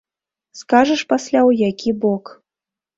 Скажаш пасля ў які бок.